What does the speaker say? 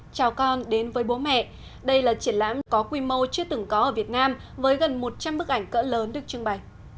chào con đến với bố mẹ đây là triển lãm có quy mô chưa từng có ở việt nam với gần một trăm linh bức ảnh cỡ lớn được trưng bày